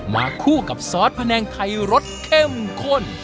คู่กับซอสพะแนงไทยรสเข้มข้น